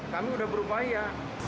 kami sudah berupaya